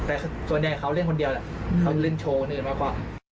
แต่ส่วนใหญ่เขาเล่นคนเดียวแหละเขาเล่นโชว์นี่มากกว่า